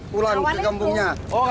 kembali ke kampungnya